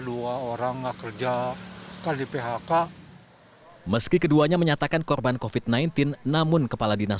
dua orang nggak kerja kali phk meski keduanya menyatakan korban kofit sembilan belas namun kepala dinas